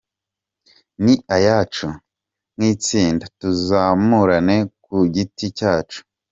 Ni ayacu nk’itsinda Tuzamurane ku giti cyacu.